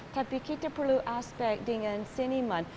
tapi kita perlu aspek dengan seniman